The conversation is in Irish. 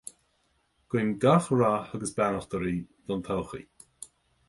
Guím gach rath agus beannacht oraibh don todhchaí